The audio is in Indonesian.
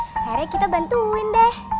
akhirnya kita bantuin deh